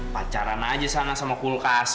pacaran aja sana sama kulkas